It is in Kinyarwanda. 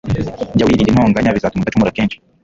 jya wirinda intonganya, bizatuma udacumura kenshi